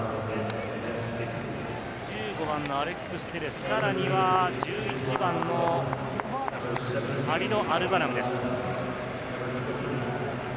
１５番のアレックス・テレス、さらには１１番のハリド・アルガナムです。